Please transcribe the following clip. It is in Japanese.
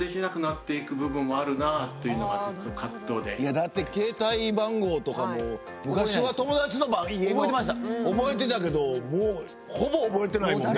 だって携帯番号とかも昔は友達の家の覚えてたけどもうほぼ覚えてないもんね。